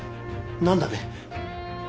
何だね？